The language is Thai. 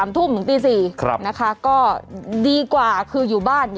ทุ่มถึงตี๔นะคะก็ดีกว่าคืออยู่บ้าน